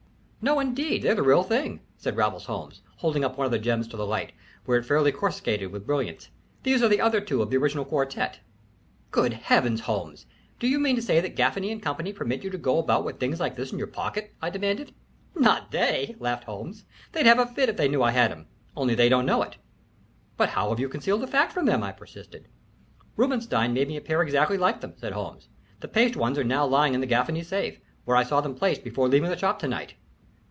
"No, indeed, they're the real thing," said Raffles Holmes, holding up one of the gems to the light, where it fairly coruscated with brilliance. "These are the other two of the original quartet." "Great Heavens, Holmes do you mean to say that Gaffany & Co. permit you to go about with things like this in your pocket?" I demanded. "Not they," laughed Holmes. "They'd have a fit if they knew I had 'em, only they don't know it." "But how have you concealed the fact from them?" I persisted. "Robinstein made me a pair exactly like them," said Holmes. "The paste ones are now lying in the Gaffany safe, where I saw them placed before leaving the shop to night."